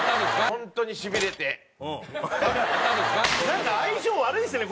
なんか相性悪いですね